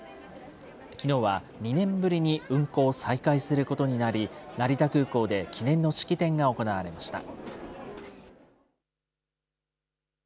きのうは２年ぶりに運航を再開することになり、成田空港で記念の式典が行われました。